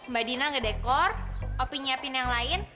mbak dina ngedekor opi nyiapin yang lain